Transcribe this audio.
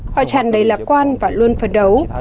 họ chẳng đầy lạc quan và luôn phấn đấu